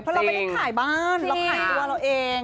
เพราะเราไม่ได้ขายบ้านเราขายตัวเราเอง